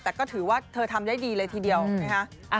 แต่ก็ถือว่าเธอทำได้ดีเลยทีเดียวนะคะ